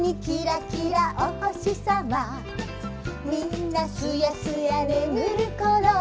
「みんなすやすやねむるころ」